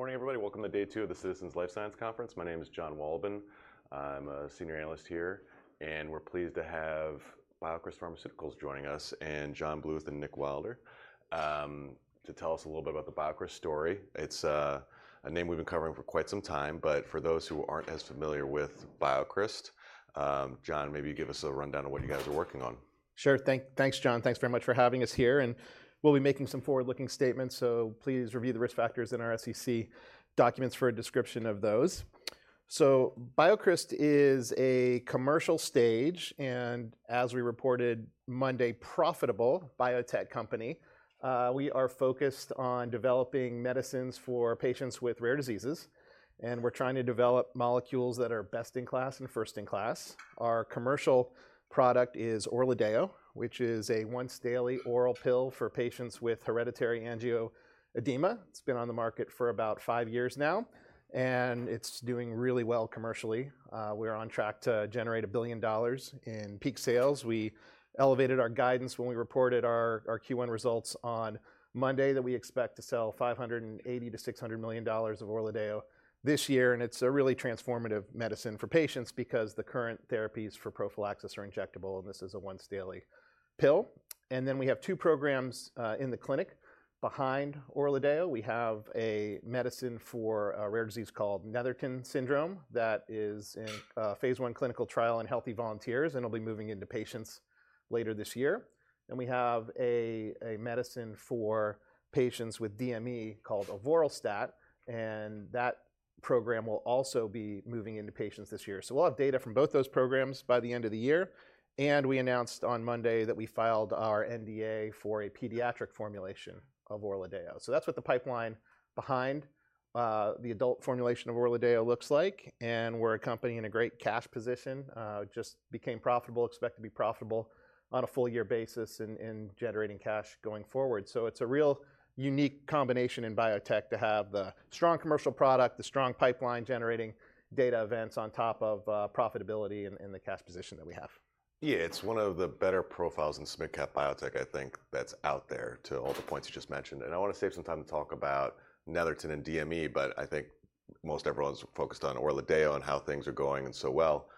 Good morning, everybody. Welcome to day two of the Citizens Life Science Conference. My name is Jon Wolleben. I'm a Senior Analyst here, and we're pleased to have BioCryst Pharmaceuticals joining us and John Bluth and Nick Wilder to tell us a little bit about the BioCryst story. It's a name we've been covering for quite some time, but for those who aren't as familiar with BioCryst, John, maybe you give us a rundown of what you guys are working on. Sure. Thanks, Jon. Thanks very much for having us here. We'll be making some forward-looking statements, so please review the risk factors in our SEC documents for a description of those. BioCryst is a commercial stage and, as we reported Monday, profitable biotech company. We are focused on developing medicines for patients with rare diseases, and we're trying to develop molecules that are best in class and first in class. Our commercial product is ORLADEYO, which is a once-daily oral pill for patients with hereditary angioedema. It's been on the market for about five years now, and it's doing really well commercially. We're on track to generate $1 billion in peak sales. We elevated our guidance when we reported our Q1 results on Monday that we expect to sell $580 million-$600 million of ORLADEYO this year. It's a really transformative medicine for patients because the current therapies for prophylaxis are injectable, and this is a once-daily pill. We have two programs in the clinic behind ORLADEYO. We have a medicine for a rare disease called Netherton syndrome that is in phase I clinical trial in healthy volunteers, and it'll be moving into patients later this year. We have a medicine for patients with DME called Avoralstat, and that program will also be moving into patients this year. We'll have data from both those programs by the end of the year. We announced on Monday that we filed our NDA for a pediatric formulation of ORLADEYO. That's what the pipeline behind the adult formulation of ORLADEYO looks like. We're a company in a great cash position, just became profitable, expect to be profitable on a full-year basis in generating cash going forward. It's a real unique combination in biotech to have the strong commercial product, the strong pipeline generating data events on top of profitability and the cash position that we have. Yeah, it's one of the better profiles in SMid-Cap biotech, I think, that's out there to all the points you just mentioned. I want to save some time to talk about Netherton and DME, but I think most everyone's focused on ORLADEYO and how things are going and so well.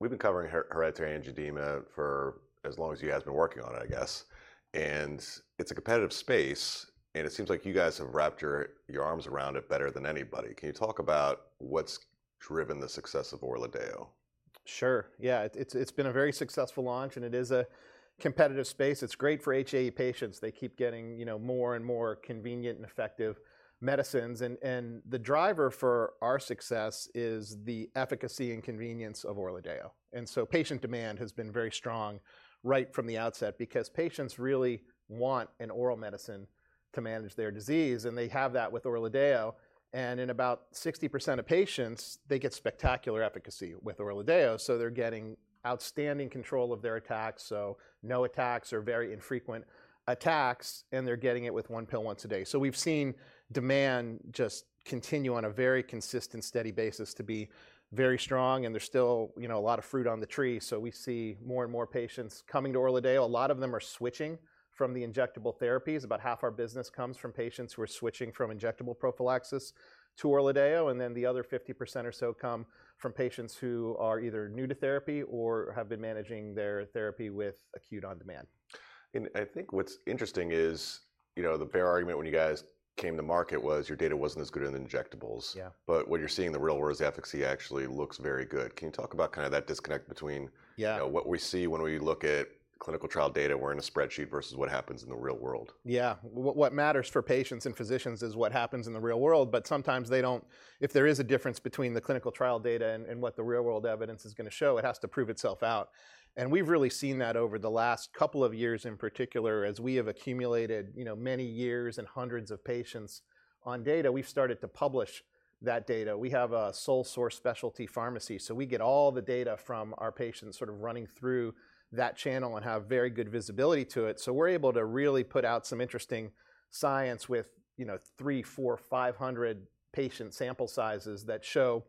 We've been covering hereditary angioedema for as long as you guys have been working on it, I guess. It's a competitive space, and it seems like you guys have wrapped your arms around it better than anybody. Can you talk about what's driven the success of ORLADEYO? Sure. Yeah, it's been a very successful launch, and it is a competitive space. It's great for HAE patients. They keep getting more and more convenient and effective medicines. The driver for our success is the efficacy and convenience of ORLADEYO. Patient demand has been very strong right from the outset because patients really want an oral medicine to manage their disease, and they have that with ORLADEYO. In about 60% of patients, they get spectacular efficacy with ORLADEYO. They're getting outstanding control of their attacks, no attacks or very infrequent attacks, and they're getting it with one pill once a day. We've seen demand just continue on a very consistent, steady basis to be very strong, and there's still a lot of fruit on the tree. We see more and more patients coming to ORLADEYO. A lot of them are switching from the injectable therapies. About half our business comes from patients who are switching from injectable prophylaxis to ORLADEYO, and then the other 50% or so come from patients who are either new to therapy or have been managing their therapy with acute on-demand. I think what's interesting is the bear argument when you guys came to market was your data wasn't as good in the injectables. Yeah. What you're seeing, the real world, is efficacy actually looks very good. Can you talk about kind of that disconnect between what we see when we look at clinical trial data? We're in a spreadsheet versus what happens in the real world. Yeah. What matters for patients and physicians is what happens in the real world, but sometimes they do not—if there is a difference between the clinical trial data and what the real-world evidence is going to show, it has to prove itself out. We have really seen that over the last couple of years in particular, as we have accumulated many years and hundreds of patients on data, we have started to publish that data. We have a sole-source specialty pharmacy, so we get all the data from our patients sort of running through that channel and have very good visibility to it. We are able to really put out some interesting science with 300, 400, 500 patient sample sizes that show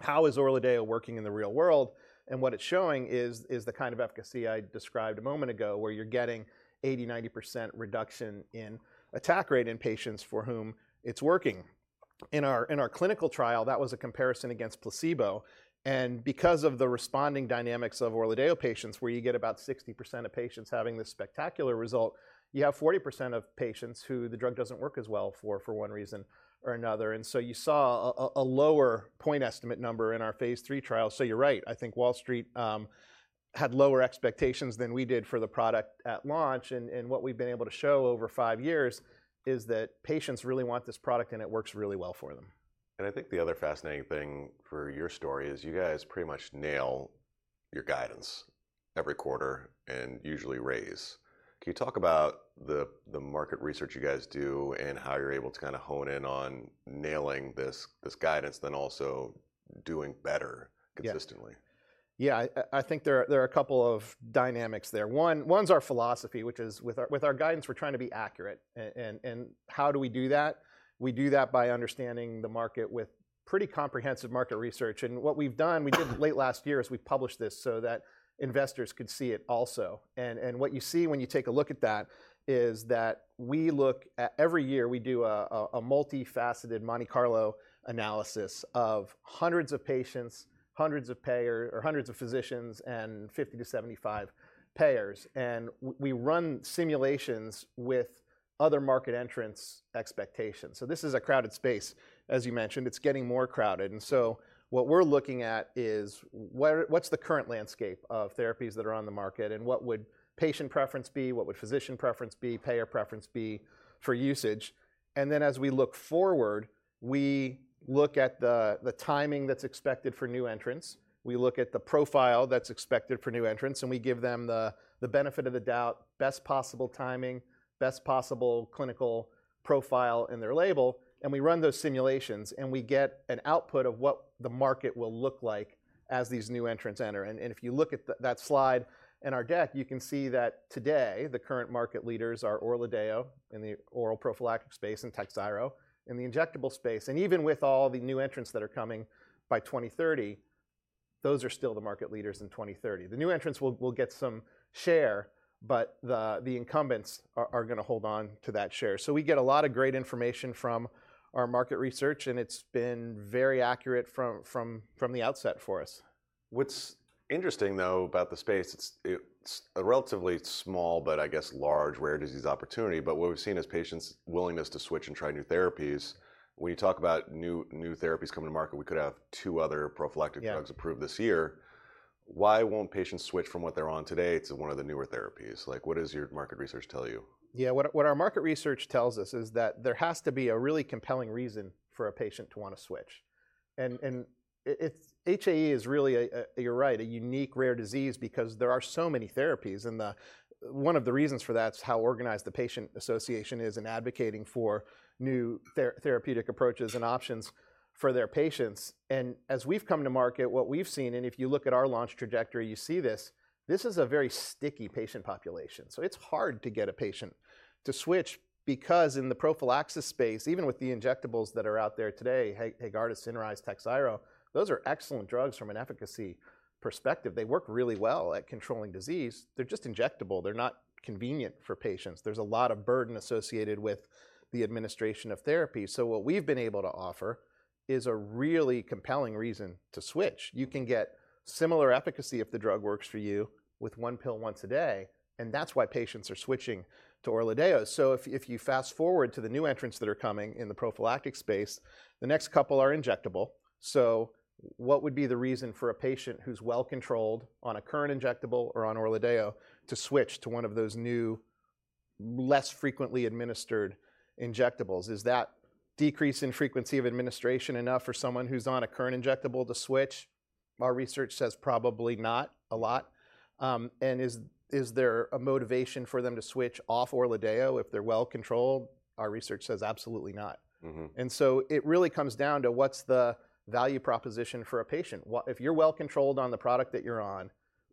how is ORLADEYO working in the real world. What it's showing is the kind of efficacy I described a moment ago where you're getting 80%-90% reduction in attack rate in patients for whom it's working. In our clinical trial, that was a comparison against placebo. Because of the responding dynamics of ORLADEYO patients, where you get about 60% of patients having this spectacular result, you have 40% of patients who the drug doesn't work as well for one reason or another. You saw a lower point estimate number in our phase III trial. You're right. I think Wall Street had lower expectations than we did for the product at launch. What we've been able to show over five years is that patients really want this product, and it works really well for them. I think the other fascinating thing for your story is you guys pretty much nail your guidance every quarter and usually raise. Can you talk about the market research you guys do and how you're able to kind of hone in on nailing this guidance, then also doing better consistently? Yeah. Yeah, I think there are a couple of dynamics there. One's our philosophy, which is with our guidance, we're trying to be accurate. And how do we do that? We do that by understanding the market with pretty comprehensive market research. And what we've done, we did late last year as we published this so that investors could see it also. And what you see when you take a look at that is that we look at every year, we do a multifaceted Monte Carlo analysis of hundreds of patients, hundreds of payers, or hundreds of physicians and 50-75 payers. And we run simulations with other market entrants' expectations. This is a crowded space, as you mentioned. It's getting more crowded. What we're looking at is what's the current landscape of therapies that are on the market and what would patient preference be, what would physician preference be, payer preference be for usage. As we look forward, we look at the timing that's expected for new entrants. We look at the profile that's expected for new entrants, and we give them the benefit of the doubt, best possible timing, best possible clinical profile in their label. We run those simulations, and we get an output of what the market will look like as these new entrants enter. If you look at that slide in our deck, you can see that today the current market leaders are ORLADEYO in the oral prophylactic space and Takhzyro in the injectable space. Even with all the new entrants that are coming by 2030, those are still the market leaders in 2030. The new entrants will get some share, but the incumbents are going to hold on to that share. We get a lot of great information from our market research, and it's been very accurate from the outset for us. What's interesting, though, about the space, it's a relatively small but, I guess, large rare disease opportunity. What we've seen is patients' willingness to switch and try new therapies. When you talk about new therapies coming to market, we could have two other prophylactic drugs approved this year. Why won't patients switch from what they're on today to one of the newer therapies? Like, what does your market research tell you? Yeah, what our market research tells us is that there has to be a really compelling reason for a patient to want to switch. HAE is really, you're right, a unique rare disease because there are so many therapies. One of the reasons for that is how organized the patient association is in advocating for new therapeutic approaches and options for their patients. As we've come to market, what we've seen, and if you look at our launch trajectory, you see this, this is a very sticky patient population. It's hard to get a patient to switch because in the prophylaxis space, even with the injectables that are out there today, Haegarda, CINRYZE, Takhzyro, those are excellent drugs from an efficacy perspective. They work really well at controlling disease. They're just injectable. They're not convenient for patients. There is a lot of burden associated with the administration of therapy. What we have been able to offer is a really compelling reason to switch. You can get similar efficacy if the drug works for you with one pill once a day. That is why patients are switching to ORLADEYO. If you fast forward to the new entrants that are coming in the prophylactic space, the next couple are injectable. What would be the reason for a patient who is well controlled on a current injectable or on ORLADEYO to switch to one of those new, less frequently administered injectables? Is that decrease in frequency of administration enough for someone who is on a current injectable to switch? Our research says probably not a lot. Is there a motivation for them to switch off ORLADEYO if they are well controlled? Our research says absolutely not. It really comes down to what's the value proposition for a patient. If you're well controlled on the product that you're on,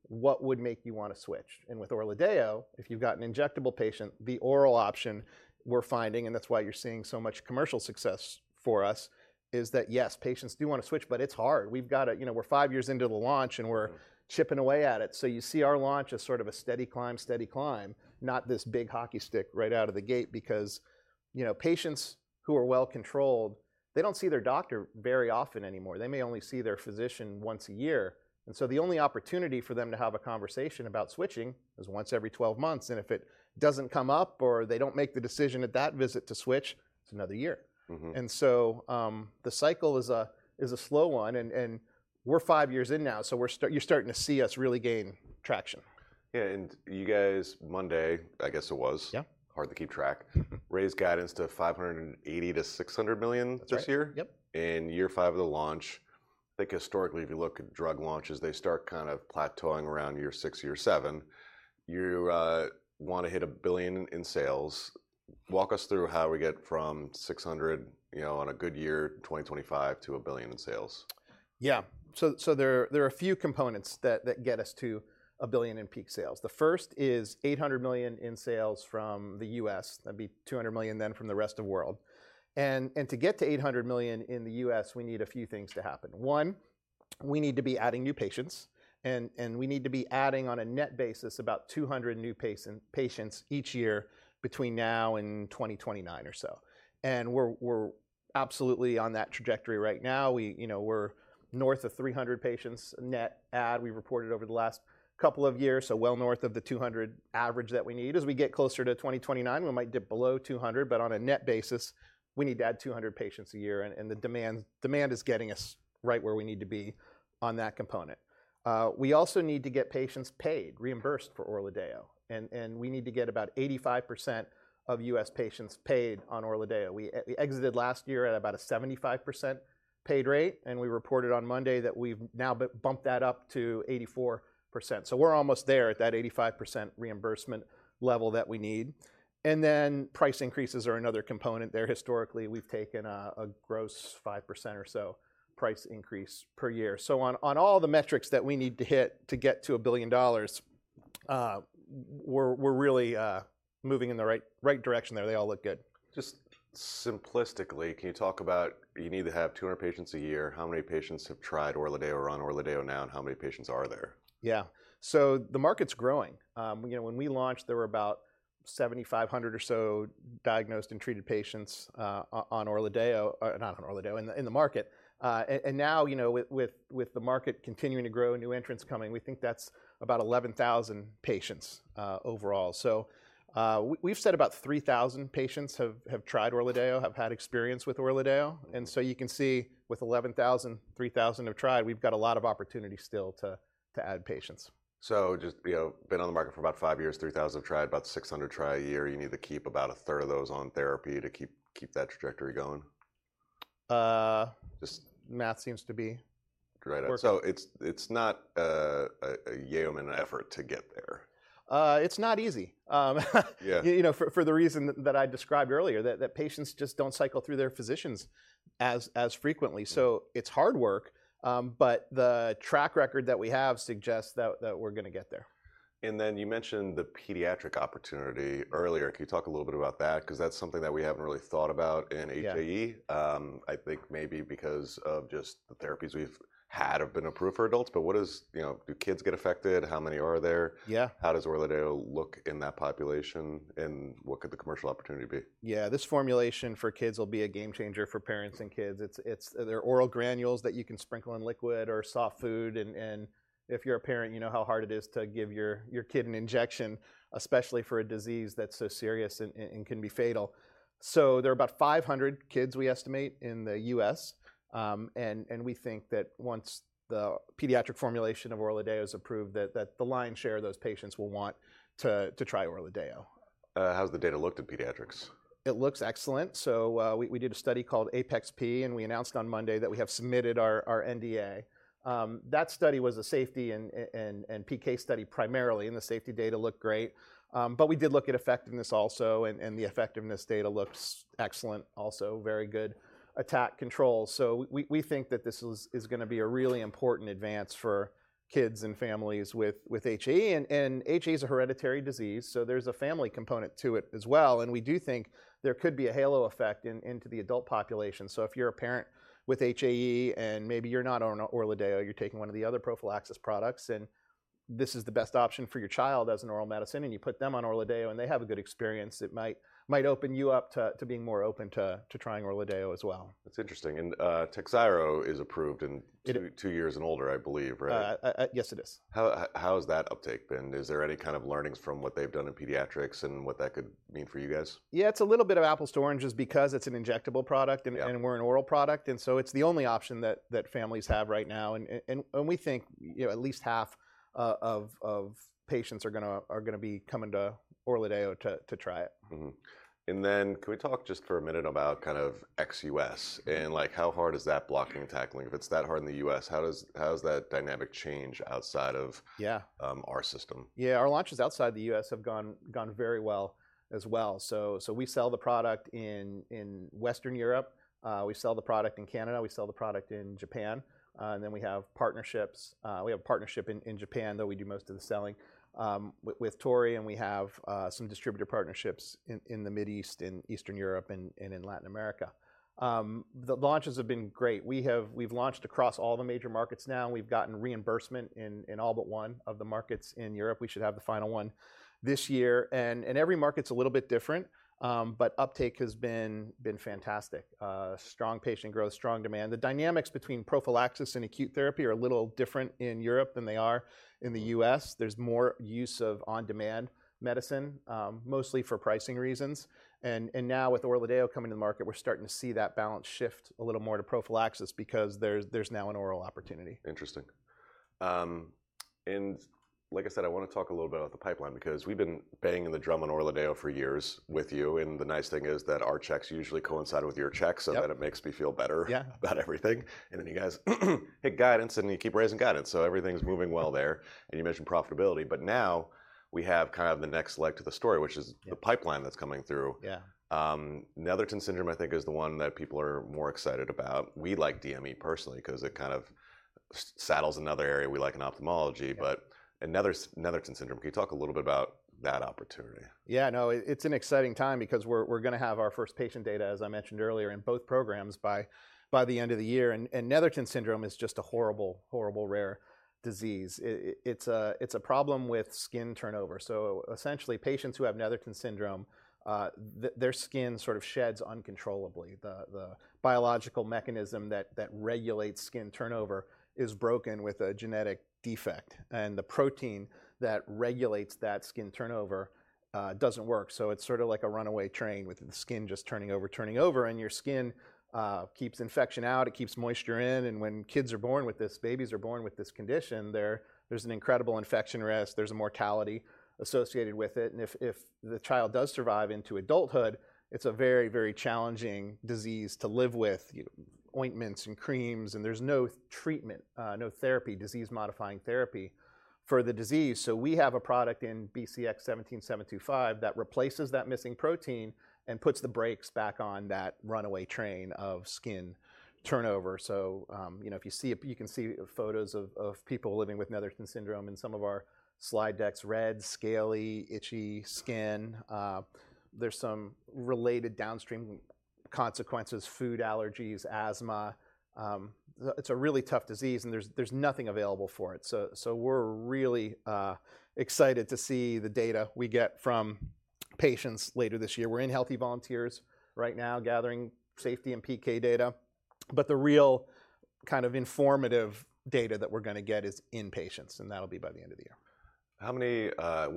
what would make you want to switch? With ORLADEYO, if you've got an injectable patient, the oral option we're finding, and that's why you're seeing so much commercial success for us, is that yes, patients do want to switch, but it's hard. We've got to, you know, we're five years into the launch and we're chipping away at it. You see our launch as sort of a steady climb, steady climb, not this big hockey stick right out of the gate because patients who are well controlled, they don't see their doctor very often anymore. They may only see their physician once a year. The only opportunity for them to have a conversation about switching is once every 12 months. If it doesn't come up or they don't make the decision at that visit to switch, it's another year. The cycle is a slow one. We're five years in now, so you're starting to see us really gain traction. Yeah. And you guys, Monday, I guess it was, hard to keep track, raised guidance to $580 million-$600 million this year. That's right. Yep. In year five of the launch, I think historically, if you look at drug launches, they start kind of plateauing around year six or year seven. You want to hit a billion in sales. Walk us through how we get from $600 million, you know, on a good year, 2025, to a billion in sales. Yeah. So there are a few components that get us to a billion in peak sales. The first is $800 million in sales from the U.S. That'd be $200 million then from the rest of the world. To get to $800 million in the U.S., we need a few things to happen. One, we need to be adding new patients, and we need to be adding on a net basis about 200 new patients each year between now and 2029 or so. We're absolutely on that trajectory right now. We're north of 300 patients net add we reported over the last couple of years, so well north of the 200 average that we need. As we get closer to 2029, we might dip below 200, but on a net basis, we need to add 200 patients a year. The demand is getting us right where we need to be on that component. We also need to get patients paid, reimbursed for ORLADEYO. We need to get about 85% of U.S. patients paid on ORLADEYO. We exited last year at about a 75% paid rate, and we reported on Monday that we've now bumped that up to 84%. We are almost there at that 85% reimbursement level that we need. Price increases are another component there. Historically, we've taken a gross 5% or so price increase per year. On all the metrics that we need to hit to get to a billion dollars, we are really moving in the right direction there. They all look good. Just simplistically, can you talk about you need to have 200 patients a year. How many patients have tried ORLADEYO or are on ORLADEYO now, and how many patients are there? Yeah. The market's growing. When we launched, there were about 7,500 or so diagnosed and treated patients on ORLADEYO, not on ORLADEYO, in the market. Now, with the market continuing to grow and new entrants coming, we think that's about 11,000 patients overall. We've said about 3,000 patients have tried ORLADEYO, have had experience with ORLADEYO. You can see with 11,000, 3,000 have tried. We've got a lot of opportunity still to add patients. Just been on the market for about five years, 3,000 have tried, about 600 try a year. You need to keep about 1/3 of those on therapy to keep that trajectory going. Math seems to be working. It's not a yeoman effort to get there. It's not easy. Yeah. For the reason that I described earlier, that patients just don't cycle through their physicians as frequently. It is hard work, but the track record that we have suggests that we're going to get there. You mentioned the pediatric opportunity earlier. Can you talk a little bit about that? Because that's something that we haven't really thought about in HAE, I think maybe because of just the therapies we've had have been approved for adults. What is, do kids get affected? How many are there? Yeah. How does ORLADEYO look in that population? What could the commercial opportunity be? Yeah. This formulation for kids will be a game changer for parents and kids. They're oral granules that you can sprinkle in liquid or soft food. If you're a parent, you know how hard it is to give your kid an injection, especially for a disease that's so serious and can be fatal. There are about 500 kids we estimate in the U.S. We think that once the pediatric formulation of ORLADEYO is approved, the lion's share of those patients will want to try ORLADEYO. How's the data looked in pediatrics? It looks excellent. We did a study called APeX-P, and we announced on Monday that we have submitted our NDA. That study was a safety and PK study primarily, and the safety data looked great. We did look at effectiveness also, and the effectiveness data looks excellent, also very good attack control. We think that this is going to be a really important advance for kids and families with HAE. HAE is a hereditary disease, so there's a family component to it as well. We do think there could be a halo effect into the adult population. If you're a parent with HAE and maybe you're not on ORLADEYO, you're taking one of the other prophylaxis products, and this is the best option for your child as an oral medicine, and you put them on ORLADEYO and they have a good experience, it might open you up to being more open to trying ORLADEYO as well. That's interesting. And Takhzyro is approved in two years and older, I believe, right? Yes, it is. How has that uptake been? Is there any kind of learnings from what they've done in pediatrics and what that could mean for you guys? Yeah, it's a little bit of apples to oranges because it's an injectable product and we're an oral product. It's the only option that families have right now. We think at least half of patients are going to be coming to ORLADEYO to try it. Can we talk just for a minute about kind of [XUS] and how hard is that blocking and tackling? If it's that hard in the U.S., how does that dynamic change outside of our system? Yeah, our launches outside the U.S. have gone very well as well. We sell the product in Western Europe. We sell the product in Canada. We sell the product in Japan. We have partnerships. We have a partnership in Japan, though we do most of the selling with Torii, and we have some distributor partnerships in the Middle East, in Eastern Europe, and in Latin America. The launches have been great. We have launched across all the major markets now. We have gotten reimbursement in all but one of the markets in Europe. We should have the final one this year. Every market's a little bit different, but uptake has been fantastic. Strong patient growth, strong demand. The dynamics between prophylaxis and acute therapy are a little different in Europe than they are in the U.S. There's more use of on-demand medicine, mostly for pricing reasons. Now with ORLADEYO coming to the market, we're starting to see that balance shift a little more to prophylaxis because there's now an oral opportunity. Interesting. Like I said, I want to talk a little bit about the pipeline because we've been banging the drum on ORLADEYO for years with you. The nice thing is that our checks usually coincide with your checks, so that makes me feel better about everything. You guys hit guidance and you keep raising guidance. Everything's moving well there. You mentioned profitability. Now we have kind of the next leg to the story, which is the pipeline that's coming through. Yeah. Netherton syndrome, I think, is the one that people are more excited about. We like DME personally because it kind of saddles another area. We like it in ophthalmology, but Netherton syndrome, can you talk a little bit about that opportunity? Yeah, no, it's an exciting time because we're going to have our first patient data, as I mentioned earlier, in both programs by the end of the year. Netherton syndrome is just a horrible, horrible rare disease. It's a problem with skin turnover. Essentially, patients who have Netherton syndrome, their skin sort of sheds uncontrollably. The biological mechanism that regulates skin turnover is broken with a genetic defect. The protein that regulates that skin turnover doesn't work. It's sort of like a runaway train with the skin just turning over, turning over. Your skin keeps infection out. It keeps moisture in. When kids are born with this, babies are born with this condition, there's an incredible infection risk. There's a mortality associated with it. If the child does survive into adulthood, it's a very, very challenging disease to live with, ointments and creams. There is no treatment, no therapy, disease-modifying therapy for the disease. We have a product in BCX17725 that replaces that missing protein and puts the brakes back on that runaway train of skin turnover. If you see, you can see photos of people living with Netherton syndrome in some of our slide decks, red, scaly, itchy skin. There are some related downstream consequences, food allergies, asthma. It is a really tough disease, and there is nothing available for it. We are really excited to see the data we get from patients later this year. We are in healthy volunteers right now gathering safety and PK data. The real kind of informative data that we are going to get is in patients, and that will be by the end of the year. What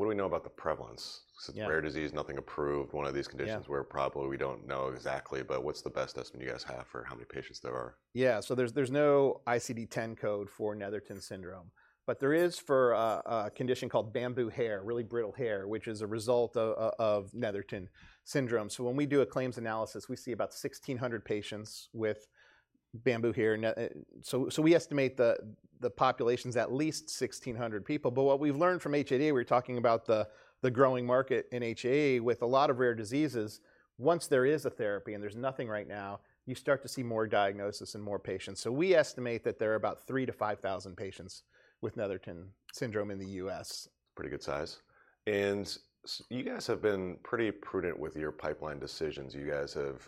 do we know about the prevalence? It's a rare disease, nothing approved, one of these conditions where probably we don't know exactly, but what's the best estimate you guys have for how many patients there are? Yeah, so there's no ICD-10 code for Netherton syndrome, but there is for a condition called bamboo hair, really brittle hair, which is a result of Netherton syndrome. So when we do a claims analysis, we see about 1,600 patients with bamboo hair. So we estimate the population's at least 1,600 people. But what we've learned from HAE, we're talking about the growing market in HAE with a lot of rare diseases. Once there is a therapy and there's nothing right now, you start to see more diagnosis and more patients. So we estimate that there are about 3,000-5,000 patients with Netherton syndrome in the U.S. Pretty good size. You guys have been pretty prudent with your pipeline decisions. You guys have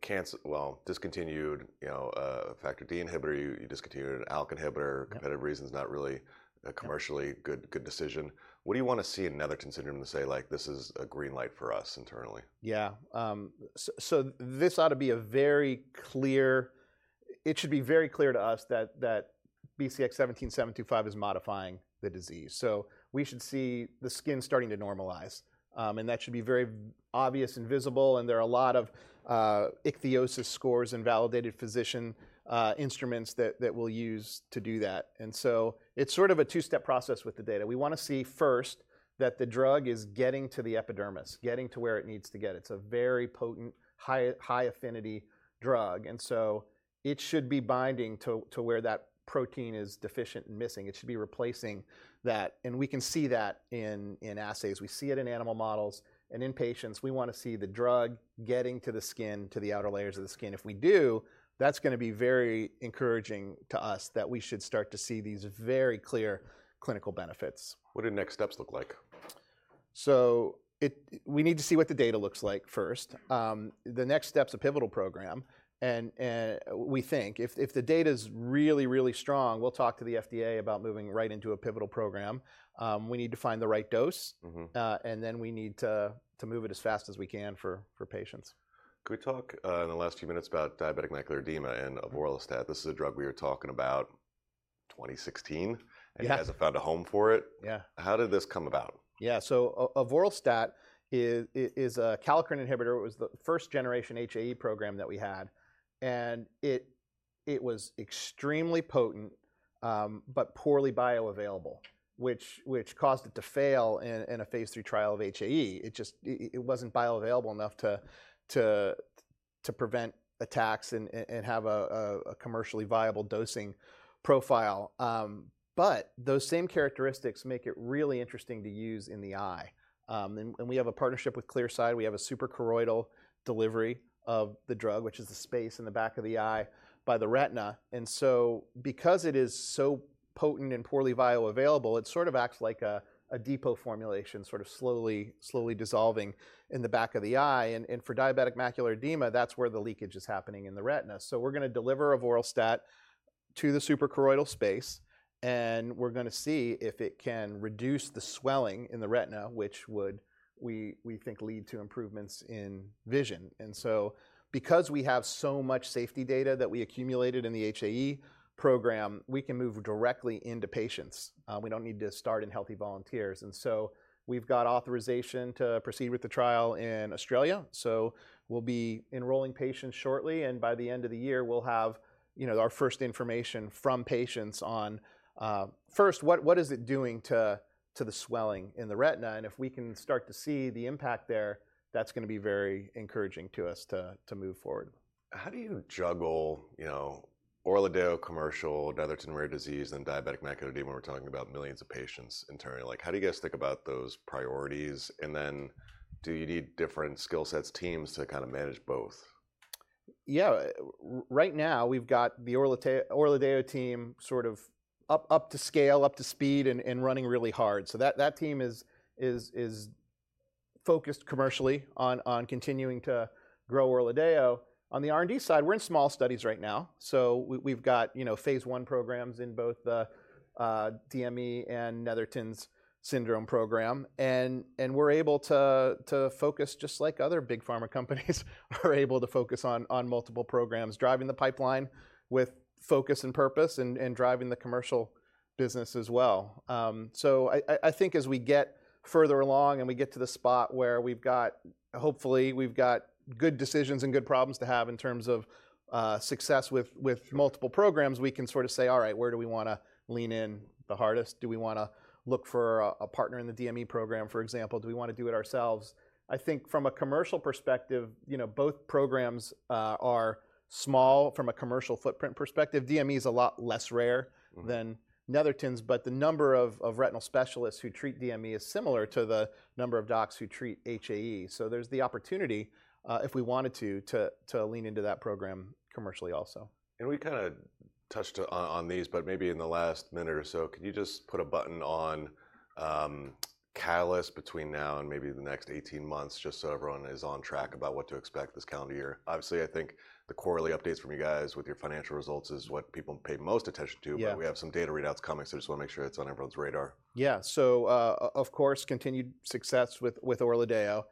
canceled, well, discontinued a factor D inhibitor. You discontinued an ALK inhibitor. Competitive reasons, not really a commercially good decision. What do you want to see in Netherton syndrome to say, like, this is a green light for us internally? Yeah. This ought to be very clear, it should be very clear to us that BCX17725 is modifying the disease. We should see the skin starting to normalize. That should be very obvious and visible. There are a lot of ichthyosis scores and validated physician instruments that we'll use to do that. It is sort of a two-step process with the data. We want to see first that the drug is getting to the epidermis, getting to where it needs to get. It is a very potent, high affinity drug. It should be binding to where that protein is deficient and missing. It should be replacing that. We can see that in assays. We see it in animal models. In patients, we want to see the drug getting to the skin, to the outer layers of the skin. If we do, that's going to be very encouraging to us that we should start to see these very clear clinical benefits. What do next steps look like? We need to see what the data looks like first. The next step's a pivotal program. We think if the data's really, really strong, we'll talk to the FDA about moving right into a pivotal program. We need to find the right dose. We need to move it as fast as we can for patients. Can we talk in the last few minutes about diabetic macular edema and Avoralstat? This is a drug we were talking about in 2016. Yes. It hasn't found a home for it. Yeah. How did this come about? Yeah. So Avoralstat is a kallikrein inhibitor. It was the first generation HAE program that we had. It was extremely potent, but poorly bioavailable, which caused it to fail in a phase three trial of HAE. It just wasn't bioavailable enough to prevent attacks and have a commercially viable dosing profile. Those same characteristics make it really interesting to use in the eye. We have a partnership with Clearside. We have a suprachoroidal delivery of the drug, which is the space in the back of the eye by the retina. Because it is so potent and poorly bioavailable, it sort of acts like a depot formulation, sort of slowly dissolving in the back of the eye. For diabetic macular edema, that's where the leakage is happening in the retina. We're going to deliver Avoralstat to the suprachoroidal space. We're going to see if it can reduce the swelling in the retina, which would, we think, lead to improvements in vision. Because we have so much safety data that we accumulated in the HAE program, we can move directly into patients. We don't need to start in healthy volunteers. We've got authorization to proceed with the trial in Australia. We'll be enrolling patients shortly. By the end of the year, we'll have our first information from patients on, first, what is it doing to the swelling in the retina? If we can start to see the impact there, that's going to be very encouraging to us to move forward. How do you juggle Avoralstat commercial, Netherton rare disease, and diabetic macular edema when we're talking about millions of patients internally? Like, how do you guys think about those priorities? And then do you need different skill sets, teams to kind of manage both? Yeah. Right now, we've got the ORLADEYO team sort of up to scale, up to speed, and running really hard. That team is focused commercially on continuing to grow ORLADEYO. On the R&D side, we're in small studies right now. We've got phase I programs in both the DME and Netherton syndrome program. We're able to focus, just like other big pharma companies are able to focus on multiple programs, driving the pipeline with focus and purpose and driving the commercial business as well. I think as we get further along and we get to the spot where we've got, hopefully, we've got good decisions and good problems to have in terms of success with multiple programs, we can sort of say, all right, where do we want to lean in the hardest? Do we want to look for a partner in the DME program, for example? Do we want to do it ourselves? I think from a commercial perspective, both programs are small from a commercial footprint perspective. DME is a lot less rare than Netherton syndrome, but the number of retinal specialists who treat DME is similar to the number of docs who treat HAE. There is the opportunity, if we wanted to, to lean into that program commercially also. We kind of touched on these, but maybe in the last minute or so, can you just put a button on catalyst between now and maybe the next 18 months, just so everyone is on track about what to expect this calendar year? Obviously, I think the quarterly updates from you guys with your financial results is what people pay most attention to. We have some data readouts coming, so I just want to make sure it's on everyone's radar. Yeah. Of course, continued success with ORLADEYO.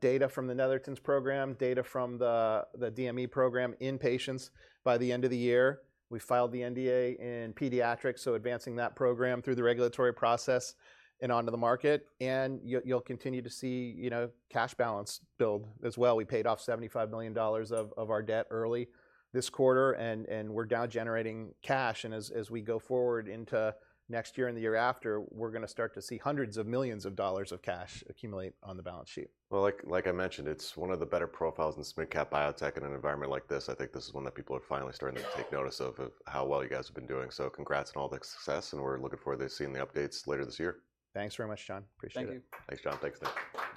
Data from the Netherton program, data from the DME program in patients by the end of the year. We filed the NDA in pediatrics, so advancing that program through the regulatory process and onto the market. You will continue to see cash balance build as well. We paid off $75 million of our debt early this quarter, and we're now generating cash. As we go forward into next year and the year after, we're going to start to see hundreds of millions of dollars of cash accumulate on the balance sheet. Like I mentioned, it's one of the better profiles in SMid-cap biotech in an environment like this. I think this is one that people are finally starting to take notice of how well you guys have been doing. Congrats on all the success, and we're looking forward to seeing the updates later this year. Thanks very much, Jon. Appreciate it. Thank you. Thanks, John. Thanks, Nick.